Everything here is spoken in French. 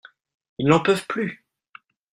Ils n’en peuvent plus.